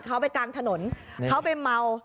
เขาไปกลางถนนเขาไปเมา